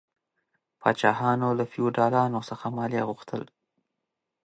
پاچاهانو له فیوډالانو څخه مالیه غوښتل.